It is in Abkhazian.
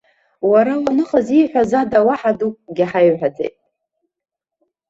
Уара уаныҟаз ииҳәаз ада уаҳа дукы ҳаимҳәаӡеит.